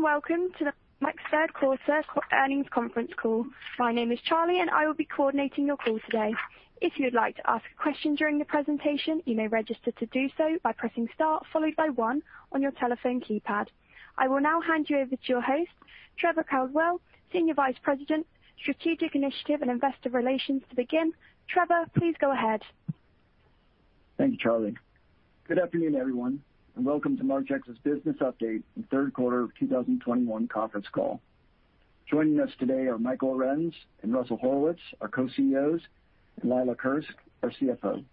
Hello, and welcome to the Marchex third quarter earnings conference call. My name is Charlie, and I will be coordinating your call today. If you would like to ask a question during the presentation, you may register to do so by pressing star followed by one on your telephone keypad. I will now hand you over to your host, Trevor Caldwell, Senior Vice President, Strategic Initiatives & Investor Relations to begin. Trevor, please go ahead. Thank you, Charlie. Good afternoon, everyone, and welcome to Marchex's Business Update and third quarter of 2021 conference call. Joining us today are Michael Arends and Russell Horowitz, our Co-CEOs, and Leila Kirske, our CFO.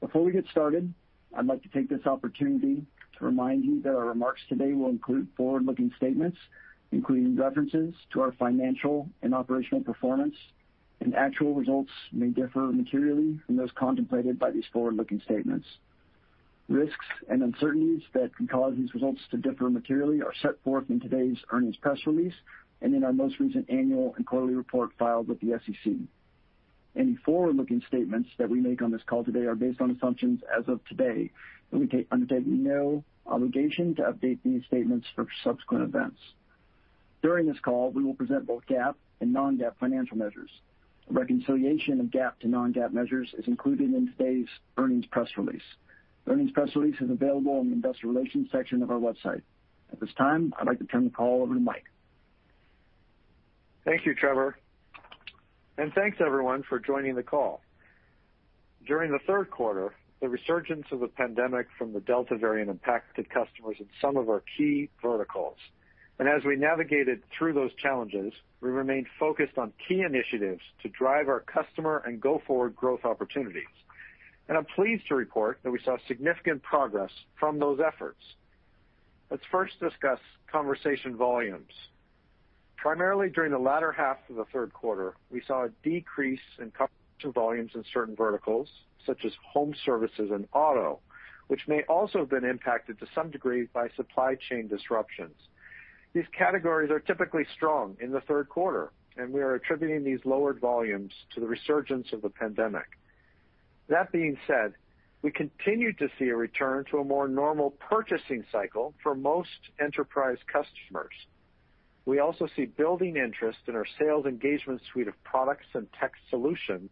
Before we get started, I'd like to take this opportunity to remind you that our remarks today will include forward-looking statements, including references to our financial and operational performance, and actual results may differ materially from those contemplated by these forward-looking statements. Risks and uncertainties that can cause these results to differ materially are set forth in today's earnings press release and in our most recent annual and quarterly report filed with the SEC. Any forward-looking statements that we make on this call today are based on assumptions as of today, and we undertake no obligation to update these statements for subsequent events. During this call, we will present both GAAP and non-GAAP financial measures. A reconciliation of GAAP to non-GAAP measures is included in today's earnings press release. The earnings press release is available in the Investor Relations section of our website. At this time, I'd like to turn the call over to Michael. Thank you, Trevor. Thanks everyone for joining the call. During the third quarter, the resurgence of the pandemic from the Delta variant impacted customers in some of our key verticals. As we navigated through those challenges, we remained focused on key initiatives to drive our customer and go-forward growth opportunities. I'm pleased to report that we saw significant progress from those efforts. Let's first discuss conversation volumes. Primarily during the latter half of the third quarter, we saw a decrease in conversation volumes in certain verticals, such as home services and auto, which may also have been impacted to some degree by supply chain disruptions. These categories are typically strong in the third quarter, and we are attributing these lowered volumes to the resurgence of the pandemic. That being said, we continued to see a return to a more normal purchasing cycle for most enterprise customers. We also see building interest in our sales engagement suite of products and tech solutions,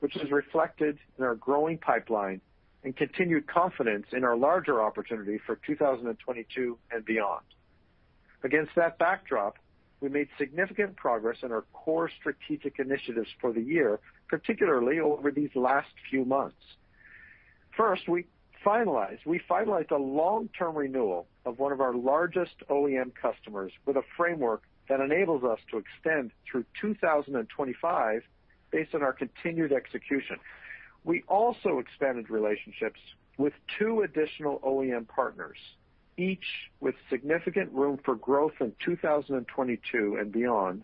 which is reflected in our growing pipeline and continued confidence in our larger opportunity for 2022 and beyond. Against that backdrop, we made significant progress in our core strategic initiatives for the year, particularly over these last few months. First, we finalized a long-term renewal of one of our largest OEM customers with a framework that enables us to extend through 2025 based on our continued execution. We also expanded relationships with two additional OEM partners, each with significant room for growth in 2022 and beyond,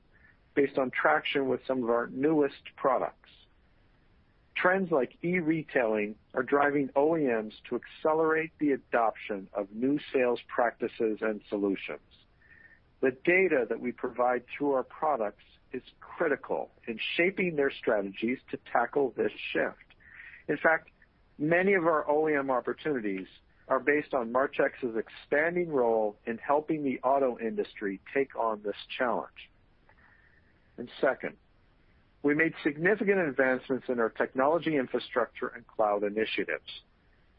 based on traction with some of our newest products. Trends like e-retailing are driving OEMs to accelerate the adoption of new sales practices and solutions. The data that we provide through our products is critical in shaping their strategies to tackle this shift. In fact, many of our OEM opportunities are based on Marchex's expanding role in helping the auto industry take on this challenge. Second, we made significant advancements in our technology infrastructure and cloud initiatives.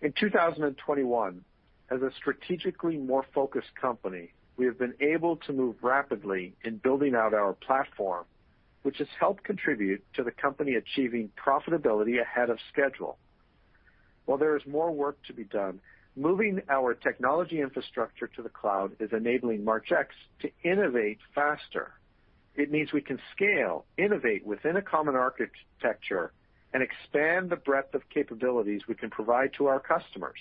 In 2021, as a strategically more focused company, we have been able to move rapidly in building out our platform, which has helped contribute to the company achieving profitability ahead of schedule. While there is more work to be done, moving our technology infrastructure to the cloud is enabling Marchex to innovate faster. It means we can scale, innovate within a common architecture, and expand the breadth of capabilities we can provide to our customers.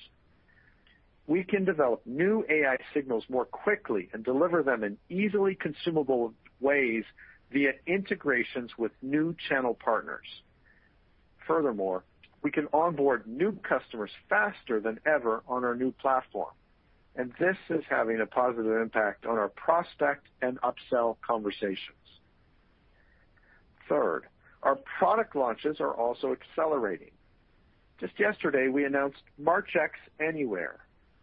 We can develop new AI signals more quickly and deliver them in easily consumable ways via integrations with new channel partners. Furthermore, we can onboard new customers faster than ever on our new platform, and this is having a positive impact on our prospect and upsell conversations. Third, our product launches are also accelerating. Just yesterday, we announced Marchex Anywhere,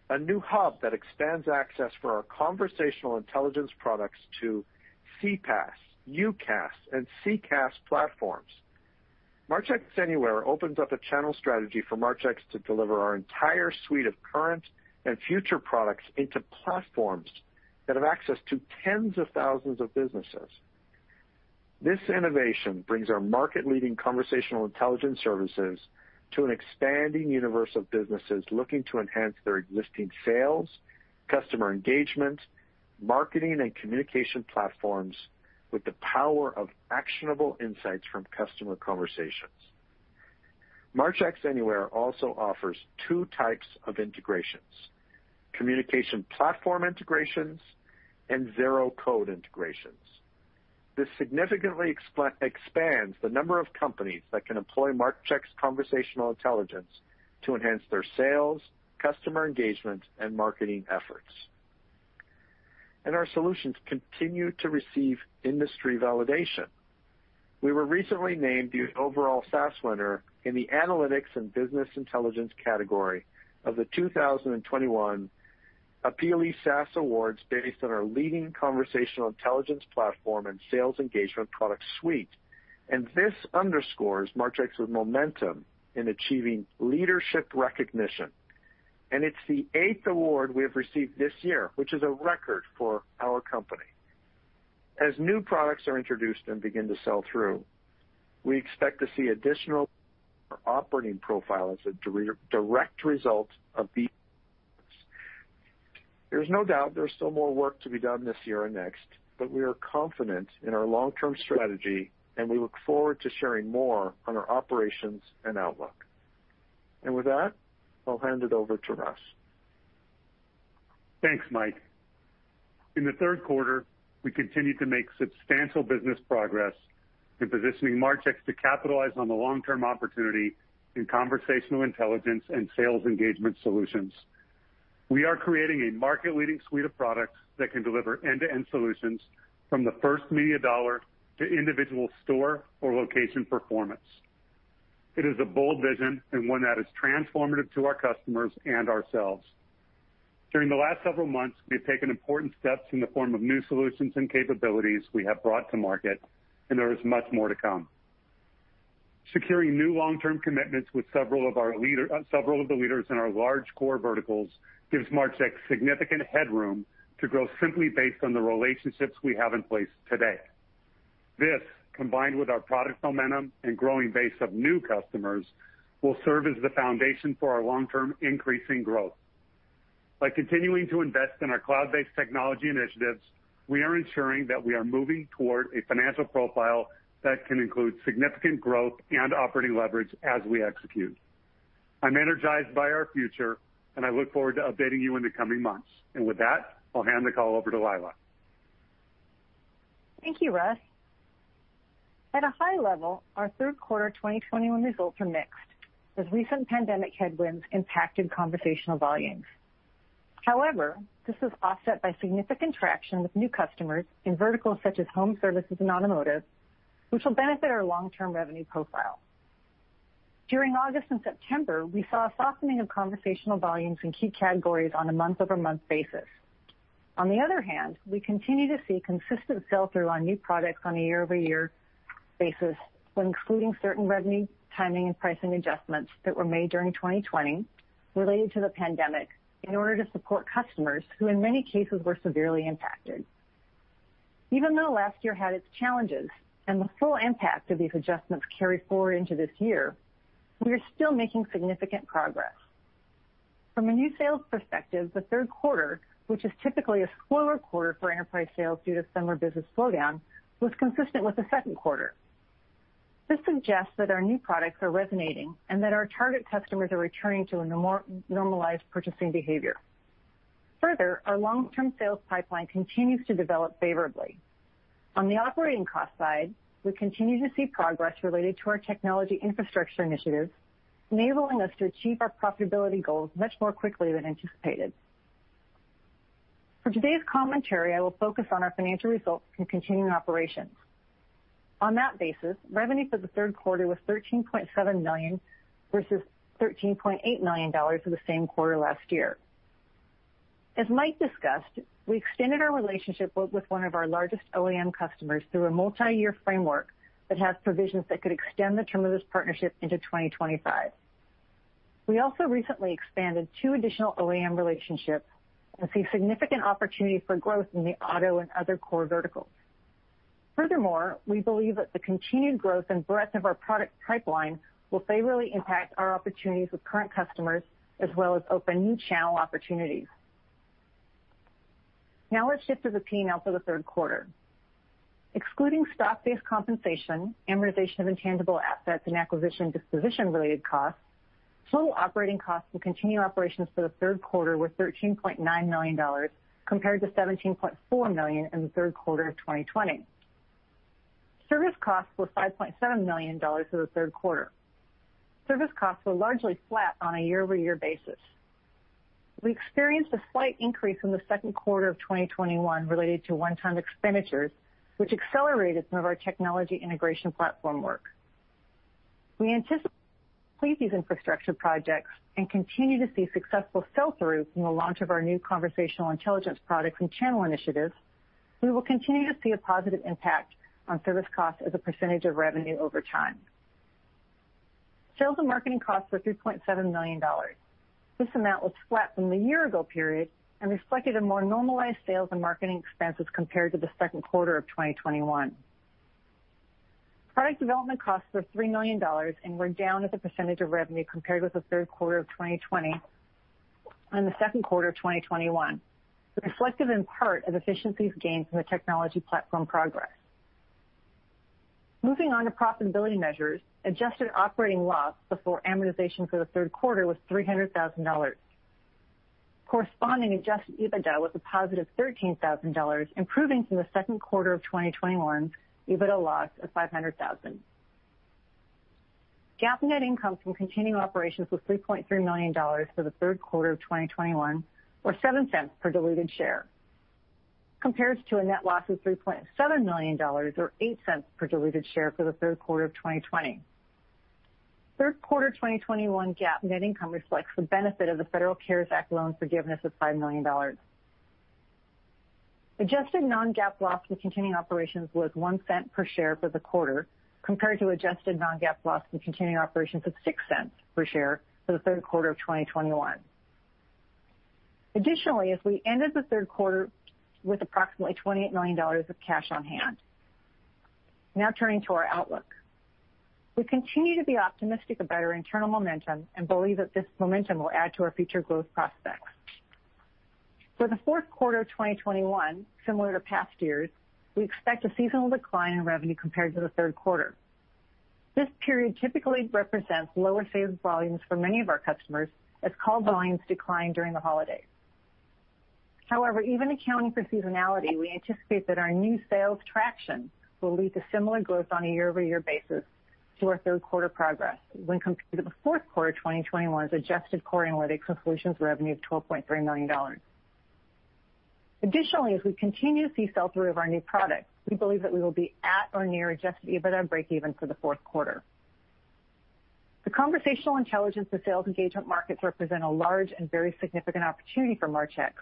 a new hub that expands access for our conversational intelligence products to CPaaS, UCaaS, and CCaaS platforms. Marchex Anywhere opens up a channel strategy for Marchex to deliver our entire suite of current and future products into platforms that have access to tens of thousands of businesses. This innovation brings our market-leading conversational intelligence services to an expanding universe of businesses looking to enhance their existing sales, customer engagement, marketing, and communication platforms with the power of actionable insights from customer conversations. Marchex Anywhere also offers two types of integrations: communication platform integrations and zero code integrations. This significantly expands the number of companies that can employ Marchex conversational intelligence to enhance their sales, customer engagement, and marketing efforts. Our solutions continue to receive industry validation. We were recently named the overall SaaS winner in the analytics and business intelligence category of the 2021 APPEALIE SaaS Awards based on our leading conversational intelligence platform and sales engagement product suite. This underscores Marchex's momentum in achieving leadership recognition. It's the eighth award we have received this year, which is a record for our company. As new products are introduced and begin to sell through, we expect to see additional operating profit as a direct result of these. There's no doubt there's still more work to be done this year and next, but we are confident in our long-term strategy, and we look forward to sharing more on our operations and outlook. With that, I'll hand it over to Russ. Thanks, Mike. In the third quarter, we continued to make substantial business progress in positioning Marchex to capitalize on the long-term opportunity in conversational intelligence and sales engagement solutions. We are creating a market-leading suite of products that can deliver end-to-end solutions from the first media dollar to individual store or location performance. It is a bold vision and one that is transformative to our customers and ourselves. During the last several months, we've taken important steps in the form of new solutions and capabilities we have brought to market, and there is much more to come. Securing new long-term commitments with several of the leaders in our large core verticals gives Marchex significant headroom to grow simply based on the relationships we have in place today. This, combined with our product momentum and growing base of new customers, will serve as the foundation for our long-term increasing growth. By continuing to invest in our cloud-based technology initiatives, we are ensuring that we are moving toward a financial profile that can include significant growth and operating leverage as we execute. I'm energized by our future, and I look forward to updating you in the coming months. With that, I'll hand the call over to Leila. Thank you, Russ. At a high level, our third quarter 2021 results are mixed as recent pandemic headwinds impacted conversational volumes. However, this is offset by significant traction with new customers in verticals such as home services and automotive, which will benefit our long-term revenue profile. During August and September, we saw a softening of conversational volumes in key categories on a month-over-month basis. On the other hand, we continue to see consistent sell-through on new products on a year-over-year basis when including certain revenue timing and pricing adjustments that were made during 2020 related to the pandemic in order to support customers who in many cases were severely impacted. Even though last year had its challenges and the full impact of these adjustments carry forward into this year, we are still making significant progress. From a new sales perspective, the third quarter, which is typically a slower quarter for enterprise sales due to summer business slowdown, was consistent with the second quarter. This suggests that our new products are resonating and that our target customers are returning to a normalized purchasing behavior. Further, our long-term sales pipeline continues to develop favorably. On the operating cost side, we continue to see progress related to our technology infrastructure initiatives, enabling us to achieve our profitability goals much more quickly than anticipated. For today's commentary, I will focus on our financial results from continuing operations. On that basis, revenue for the third quarter was $13.7 million versus $13.8 million for the same quarter last year. As Mike discussed, we extended our relationship with one of our largest OEM customers through a multiyear framework that has provisions that could extend the term of this partnership into 2025. We also recently expanded two additional OEM relationships and see significant opportunity for growth in the auto and other core verticals. Furthermore, we believe that the continued growth and breadth of our product pipeline will favorably impact our opportunities with current customers, as well as open new channel opportunities. Now let's shift to the P&L for the third quarter. Excluding stock-based compensation, amortization of intangible assets, and acquisition disposition-related costs, full operating costs from continuing operations for the third quarter were $13.9 million, compared to $17.4 million in the third quarter of 2020. Service costs were $5.7 million for the third quarter. Service costs were largely flat on a year-over-year basis. We experienced a slight increase in the second quarter of 2021 related to one-time expenditures, which accelerated some of our technology integration platform work. We anticipate these infrastructure projects and continue to see successful sell-through from the launch of our new conversational intelligence products and channel initiatives. We will continue to see a positive impact on service costs as a percentage of revenue over time. Sales and marketing costs were $3.7 million. This amount was flat from the year-ago period and reflected a more normalized sales and marketing expenses compared to the second quarter of 2021. Product development costs were $3 million and were down as a percentage of revenue compared with the third quarter of 2020 and the second quarter of 2021, reflective in part of efficiencies gained from the technology platform progress. Moving on to profitability measures, adjusted operating loss before amortization for the third quarter was $300,000. Corresponding adjusted EBITDA was a positive $13,000, improving from the second quarter of 2021 EBITDA loss of $500,000. GAAP net income from continuing operations was $3.3 million for the third quarter of 2021, or $0.07 per diluted share, compared to a net loss of $3.7 million, or $0.08 per diluted share for the third quarter of 2020. Third quarter 2021 GAAP net income reflects the benefit of the Federal CARES Act loan forgiveness of $5 million. Adjusted non-GAAP loss from continuing operations was $0.01 per share for the quarter, compared to adjusted non-GAAP loss from continuing operations of $0.06 per share for the third quarter of 2020. Additionally, we ended the third quarter with approximately $28 million of cash on hand. Now turning to our outlook. We continue to be optimistic about our internal momentum and believe that this momentum will add to our future growth prospects. For the fourth quarter of 2021, similar to past years, we expect a seasonal decline in revenue compared to the third quarter. This period typically represents lower sales volumes for many of our customers as call volumes decline during the holidays. However, even accounting for seasonality, we anticipate that our new sales traction will lead to similar growth on a year-over-year basis to our third quarter progress when compared to the fourth quarter 2021's adjusted core analytics and solutions revenue of $12.3 million. Additionally, as we continue to see sell-through of our new products, we believe that we will be at or near adjusted EBITDA breakeven for the fourth quarter. The conversational intelligence and sales engagement markets represent a large and very significant opportunity for Marchex,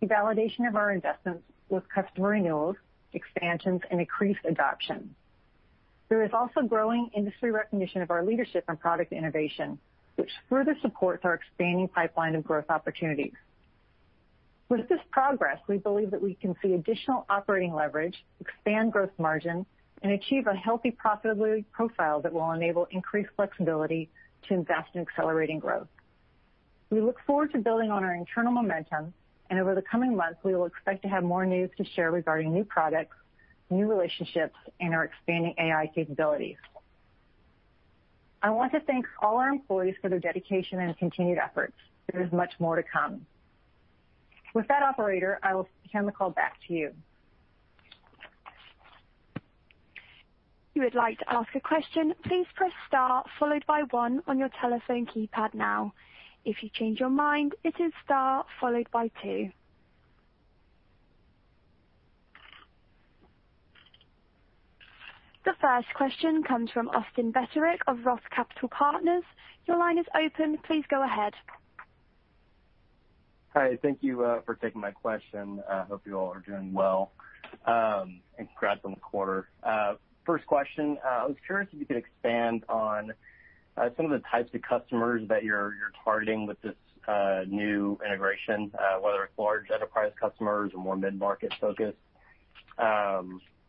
and the validation of our investments with customer renewals, expansions, and increased adoption. There is also growing industry recognition of our leadership and product innovation, which further supports our expanding pipeline of growth opportunities. With this progress, we believe that we can see additional operating leverage, expand gross margin, and achieve a healthy profitability profile that will enable increased flexibility to invest in accelerating growth. We look forward to building on our internal momentum, and over the coming months, we will expect to have more news to share regarding new products, new relationships, and our expanding AI capabilities. I want to thank all our employees for their dedication and continued efforts. There is much more to come. With that, operator, I will hand the call back to you. If you would like to ask a question, please press star followed by one on your telephone keypad now. If you change your mind, it is star followed by two. The first question comes from Austin Vetterick of ROTH Capital Partners. Your line is open. Please go ahead. Hi, thank you for taking my question. I hope you all are doing well, and congrats on the quarter. First question, I was curious if you could expand on some of the types of customers that you're targeting with this new integration, whether it's large enterprise customers or more mid-market focused.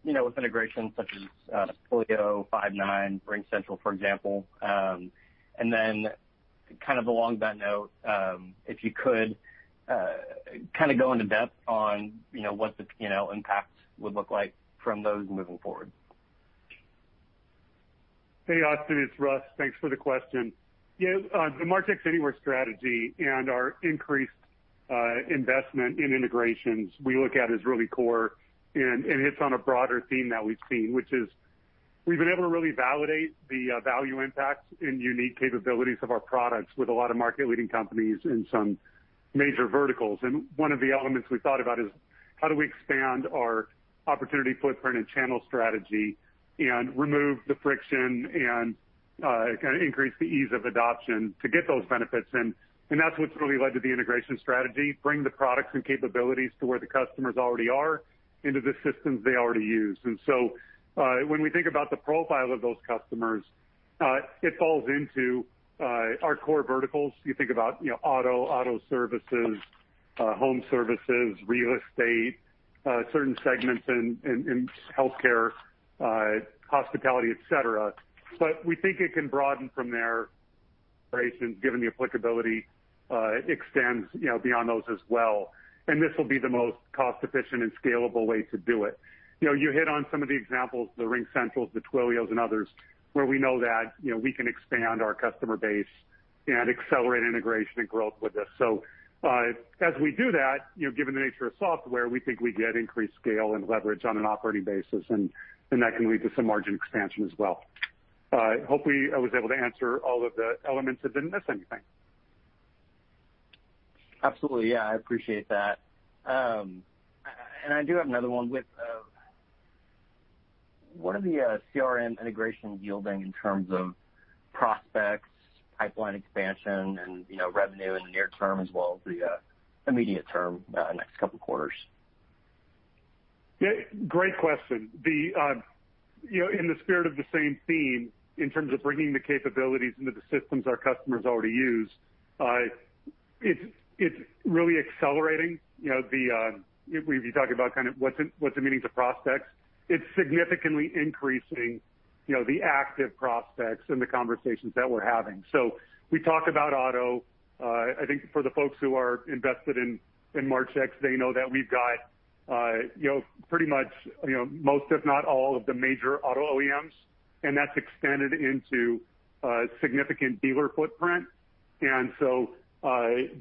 You know, with integrations such as Twilio, Five9, RingCentral, for example. Kind of along that note, if you could kind of go into depth on you know, what the P&L impact would look like from those moving forward. Hey, Austin, it's Russ. Thanks for the question. Yeah, the Marchex Anywhere strategy and our increased investment in integrations we look at as really core, and it's on a broader theme that we've seen, which is we've been able to really validate the value impacts and unique capabilities of our products with a lot of market-leading companies in some major verticals. One of the elements we thought about is how do we expand our opportunity footprint and channel strategy and remove the friction and kinda increase the ease of adoption to get those benefits. That's what's really led to the integration strategy, bring the products and capabilities to where the customers already are into the systems they already use. When we think about the profile of those customers, it falls into our core verticals. You think about, you know, auto services, home services, real estate, certain segments in healthcare, hospitality, et cetera. We think it can broaden from there, right, and given the applicability extends, you know, beyond those as well, and this will be the most cost-efficient and scalable way to do it. You know, you hit on some of the examples, the RingCentral, the Twilio, and others, where we know that, you know, we can expand our customer base and accelerate integration and growth with this. As we do that, you know, given the nature of software, we think we get increased scale and leverage on an operating basis and that can lead to some margin expansion as well. Hopefully, I was able to answer all of the elements and didn't miss anything. Absolutely. Yeah, I appreciate that. I do have another one. What are the CRM integration yielding in terms of prospects, pipeline expansion, and, you know, revenue in the near term as well as the immediate term, next couple quarters? Yeah, great question. The you know, in the spirit of the same theme, in terms of bringing the capabilities into the systems our customers already use, it's really accelerating. You know, if you talk about kind of what's the meaning to prospects, it's significantly increasing, you know, the active prospects and the conversations that we're having. We talk about auto. I think for the folks who are invested in Marchex, they know that we've got you know, pretty much, you know, most, if not all, of the major auto OEMs, and that's extended into a significant dealer footprint.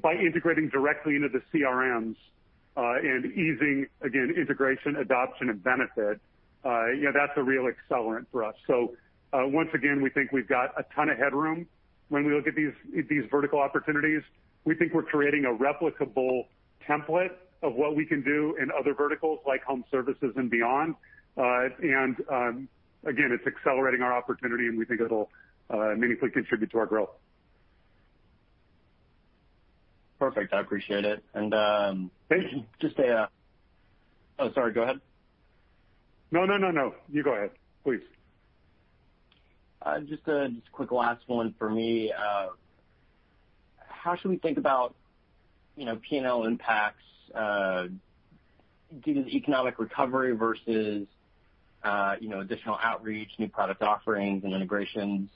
By integrating directly into the CRMs and easing, again, integration, adoption and benefit, you know, that's a real accelerant for us. Once again, we think we've got a ton of headroom when we look at these vertical opportunities. We think we're creating a replicable template of what we can do in other verticals like home services and beyond. Again, it's accelerating our opportunity, and we think it'll meaningfully contribute to our growth. Perfect. I appreciate it. Thank you. Oh, sorry, go ahead. No, no, no, you go ahead, please. Just a quick last one for me. How should we think about, you know, P&L impacts due to the economic recovery versus, you know, additional outreach, new product offerings and integrations?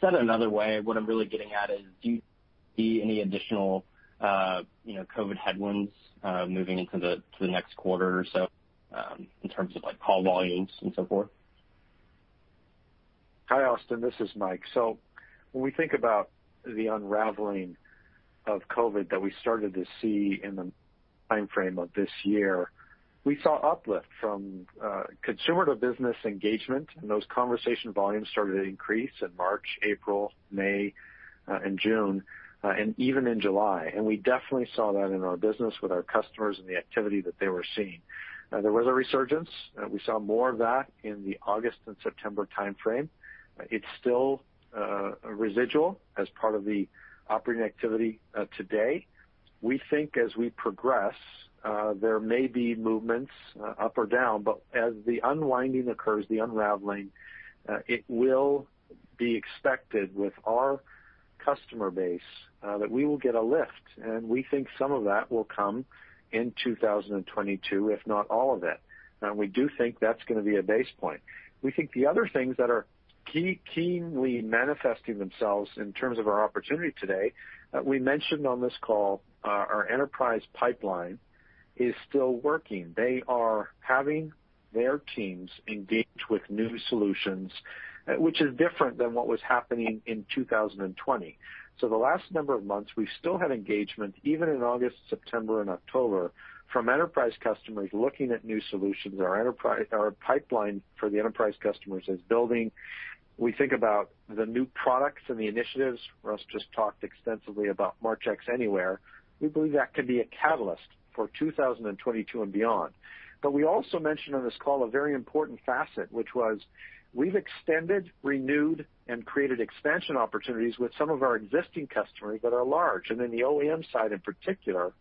Said another way, what I'm really getting at is do you see any additional, you know, COVID headwinds moving into the next quarter or so, in terms of like call volumes and so forth? Hi, Austin, this is Mike. When we think about the unraveling of COVID that we started to see in the timeframe of this year, we saw uplift from consumer to business engagement, and those conversation volumes started to increase in March, April, May, and June, and even in July. We definitely saw that in our business with our customers and the activity that they were seeing. There was a resurgence. We saw more of that in the August and September timeframe. It's still residual as part of the operating activity today. We think as we progress, there may be movements up or down, but as the unwinding occurs, the unraveling, it will be expected with our customer base that we will get a lift. We think some of that will come in 2022, if not all of it. We do think that's gonna be a base point. We think the other things that are keenly manifesting themselves in terms of our opportunity today, we mentioned on this call, our enterprise pipeline is still working. They are having their teams engaged with new solutions, which is different than what was happening in 2020. The last number of months, we've still had engagement, even in August, September and October, from enterprise customers looking at new solutions. Our pipeline for the enterprise customers is building. We think about the new products and the initiatives. Russ just talked extensively about Marchex Anywhere. We believe that could be a catalyst for 2022 and beyond. We also mentioned on this call a very important facet, which was we've extended, renewed and created expansion opportunities with some of our existing customers that are large. In the OEM side in particular,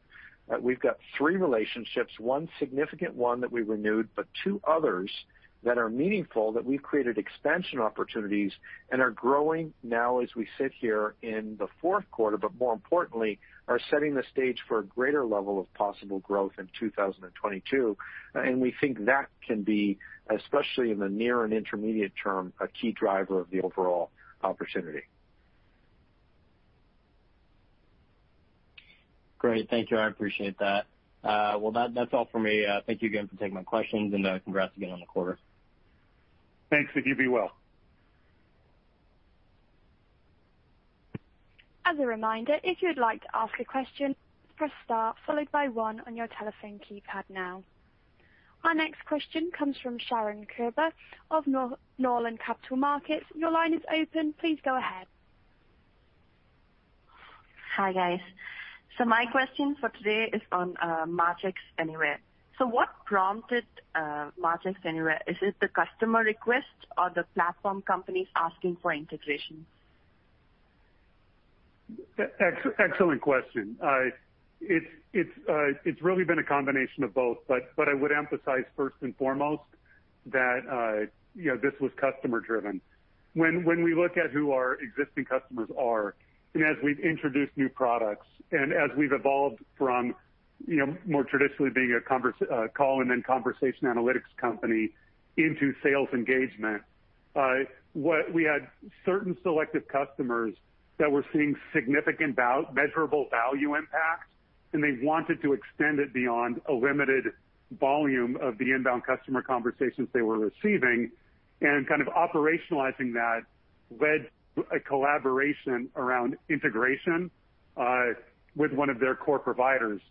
we've got three relationships, one significant one that we renewed, but two others that are meaningful, that we've created expansion opportunities and are growing now as we sit here in the fourth quarter, but more importantly, are setting the stage for a greater level of possible growth in 2022. We think that can be, especially in the near and intermediate term, a key driver of the overall opportunity. Great. Thank you. I appreciate that. Well, that's all for me. Thank you again for taking my questions and, congrats again on the quarter. Thanks and you be well. As a reminder, if you would like to ask a question, press star followed by one on your telephone keypad now. Our next question comes from Sharon Kiruba of Northland Capital Markets. Your line is open. Please go ahead. Hi, guys. My question for today is on Marchex Anywhere. What prompted Marchex Anywhere? Is it the customer request or the platform companies asking for integration? Excellent question. It's really been a combination of both, but I would emphasize first and foremost that, you know, this was customer driven. When we look at who our existing customers are, and as we've introduced new products and as we've evolved from, you know, more traditionally being a call and then conversation analytics company into sales engagement, we had certain selective customers that were seeing significant measurable value impact, and they wanted to extend it beyond a limited volume of the inbound customer conversations they were receiving. Kind of operationalizing that led to a collaboration around integration with one of their core providers.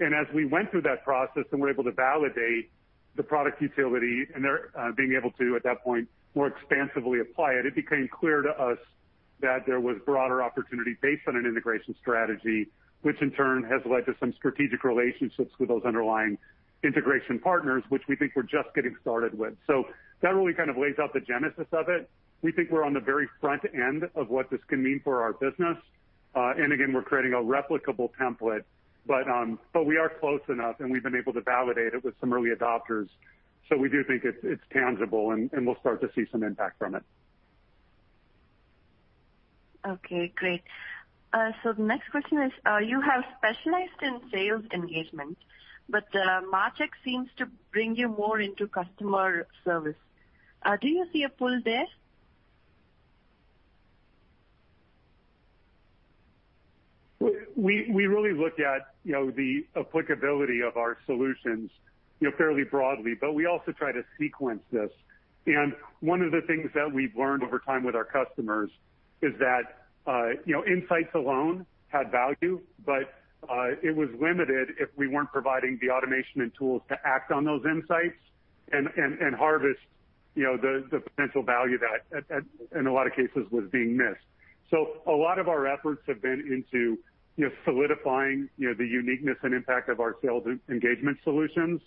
As we went through that process and were able to validate the product utility and their being able to, at that point, more expansively apply it became clear to us that there was broader opportunity based on an integration strategy, which in turn has led to some strategic relationships with those underlying integration partners, which we think we're just getting started with. That really kind of lays out the genesis of it. We think we're on the very front end of what this can mean for our business. Again, we're creating a replicable template, but we are close enough, and we've been able to validate it with some early adopters. We do think it's tangible, and we'll start to see some impact from it. Okay, great. The next question is, you have specialized in sales engagement, but, Marchex seems to bring you more into customer service. Do you see a pull there? We really look at, you know, the applicability of our solutions, you know, fairly broadly, but we also try to sequence this. One of the things that we've learned over time with our customers is that, you know, insights alone had value, but it was limited if we weren't providing the automation and tools to act on those insights and harvest, you know, the potential value that in a lot of cases was being missed. A lot of our efforts have been into, you know, solidifying, you know, the uniqueness and impact of our sales engagement solutions.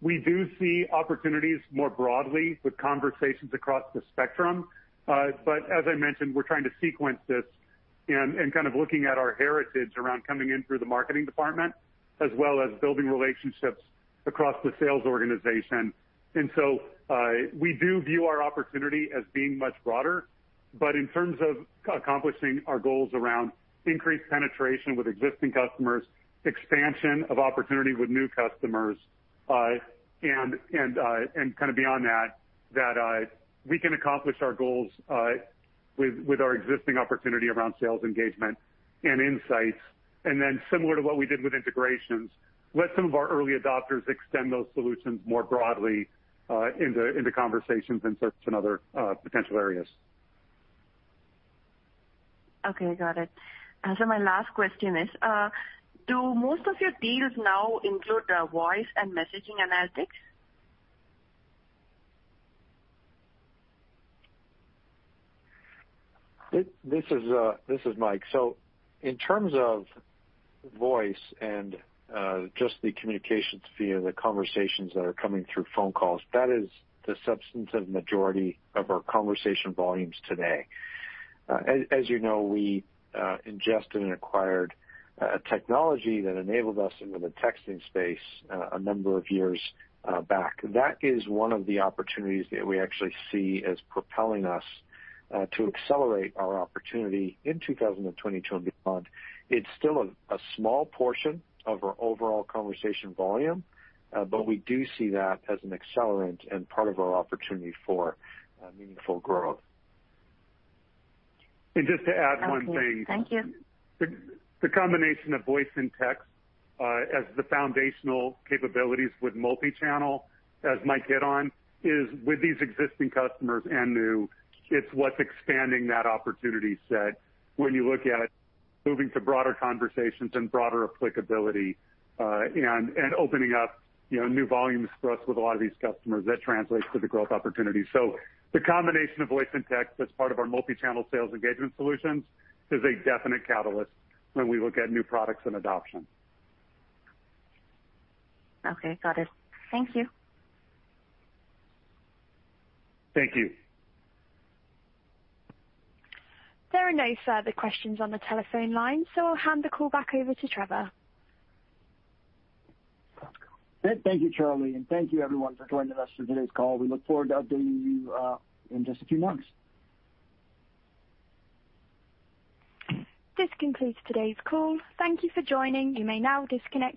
We do see opportunities more broadly with conversations across the spectrum. As I mentioned, we're trying to sequence this and kind of looking at our heritage around coming in through the marketing department, as well as building relationships across the sales organization. We do view our opportunity as being much broader. In terms of accomplishing our goals around increased penetration with existing customers, expansion of opportunity with new customers, and kind of beyond that, we can accomplish our goals with our existing opportunity around sales engagement and insights. Then similar to what we did with integrations, let some of our early adopters extend those solutions more broadly into conversations and such and other potential areas. Okay, got it. My last question is, do most of your deals now include voice and messaging analytics? This is Mike. In terms of voice and just the communications via the conversations that are coming through phone calls, that is the substantive majority of our conversation volumes today. As you know, we ingested and acquired technology that enabled us into the texting space a number of years back. That is one of the opportunities that we actually see as propelling us to accelerate our opportunity in 2022 and beyond. It's still a small portion of our overall conversation volume, but we do see that as an accelerant and part of our opportunity for meaningful growth. Just to add one thing. Okay. Thank you. The combination of voice and text as the foundational capabilities with multi-channel, as Michael hit on, is with these existing customers and new. It's what's expanding that opportunity set when you look at moving to broader conversations and broader applicability, and opening up, you know, new volumes for us with a lot of these customers. That translates to the growth opportunity. The combination of voice and text as part of our multi-channel sales engagement solutions is a definite catalyst when we look at new products and adoption. Okay, got it. Thank you. Thank you. There are no further questions on the telephone line, so I'll hand the call back over to Trevor. Great. Thank you, Charlie, and thank you everyone for joining us for today's call. We look forward to updating you in just a few months. This concludes today's call. Thank you for joining. You may now disconnect.